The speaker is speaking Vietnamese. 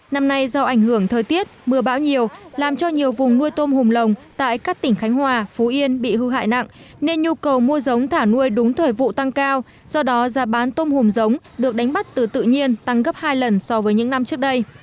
năm nay do ảnh hưởng thời tiết mưa bão nhiều làm cho nhiều vùng nuôi tôm hùm lồng tại các tỉnh khánh hòa phú yên bị hư hại nặng nên nhu cầu mua giống thả nuôi đúng thời vụ tăng cao do đó giá bán tôm hùm giống được đánh bắt từ tự nhiên tăng gấp hai lần so với những năm trước đây